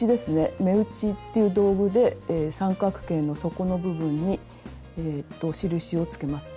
目打ちっていう道具で三角形の底の部分に印をつけます。